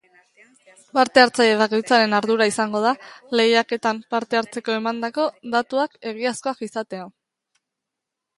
Parte-hartzaile bakoitzaren ardura izango da lehiaketan parte hartzeko emandako datuak egiazkoak izatea.